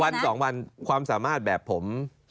วัน๒วันความสามารถแบบผม